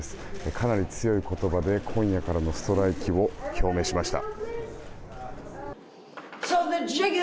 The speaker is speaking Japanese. かなり強い言葉で今夜からのストライキを表明しました。